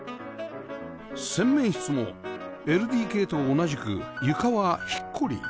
洗面室も ＬＤＫ と同じく床はヒッコリー